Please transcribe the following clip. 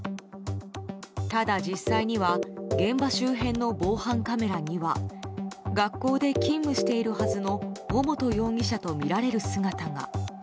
ただ実際には現場周辺の防犯カメラには学校で勤務しているはずの尾本容疑者とみられる姿が。